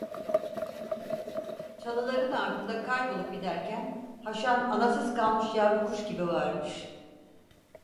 Çalıların ardında kaybolup giderken, Haşan anasız kalmış yavru kuş gibi bağırmış…